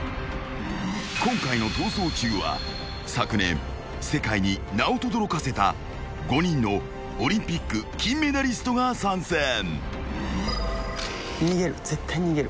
［今回の『逃走中』は昨年世界に名をとどろかせた５人のオリンピック金メダリストが参戦］